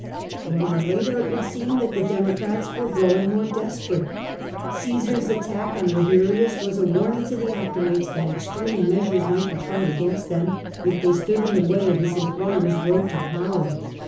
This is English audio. A little later it would seem that the Democrats were growing more desperate. Csesar's attack on Eabirius was a warning to the Optimates that extreme measures might be tried against them, if they stood in the way of his employer's road to power.